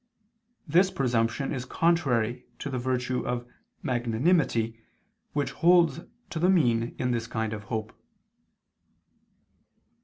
This presumption is contrary to the virtue of magnanimity which holds to the mean in this kind of hope.